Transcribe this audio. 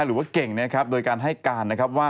หรือว่าเก่งนะครับโดยการให้การนะครับว่า